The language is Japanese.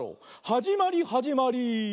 はじまりはじまり。